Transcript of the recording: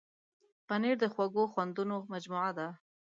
پنېر د خوږو خوندونو مجموعه ده.